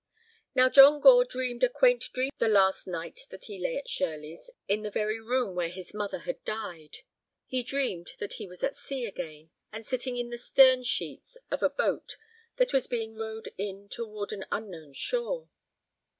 Now John Gore dreamed a quaint dream the last night that he lay at Shirleys in the very room where his mother had died. He dreamed that he was at sea again, and sitting in the stern sheets of a boat that was being rowed in toward an unknown shore.